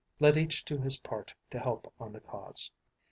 Let each do his part to help on the cause.